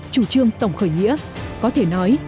chủ trương tổng khởi nghĩa có thể nói